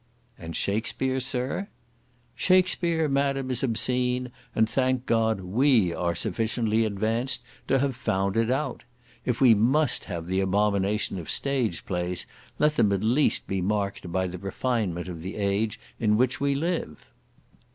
"And Shakspeare, sir?" "Shakspeare, Madam, is obscene, and, thank God, WE are sufficiently advanced to have found it out! If we must have the abomination of stage plays, let them at least be marked by the refinement of the age in which we live."